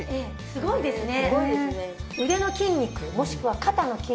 すごいですね。